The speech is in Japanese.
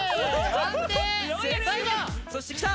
そして来た！